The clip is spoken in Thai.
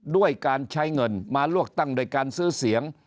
ด้วยการใช้เงินมาเลือกตั้งโดยการซื้อเสียง